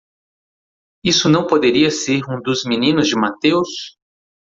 Isso não poderia ser um dos meninos de Mateus?